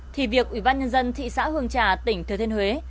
thì việc ủy ban nhân dân thị xã hương trà tỉnh thừa thiên huế